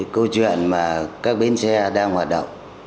câu chuyện mà các bến xe đang hoạt động